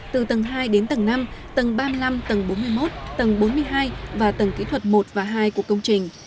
từ tầng hai đến tầng năm tầng ba mươi năm tầng bốn mươi một tầng bốn mươi hai và tầng kỹ thuật một và hai của công trình